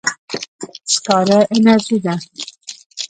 سکاره انرژي ده.